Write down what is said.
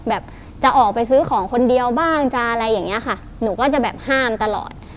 แบบจะออกไปซื้อของคนเดียวบ้างจะอะไรอย่างเงี้ยค่ะหนูก็จะแบบห้ามตลอด